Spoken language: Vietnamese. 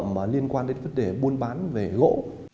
mà liên quan đến vấn đề buôn bán về gỗ